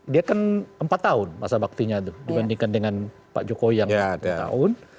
dia kan empat tahun masa baktinya itu dibandingkan dengan pak jokowi yang lima tahun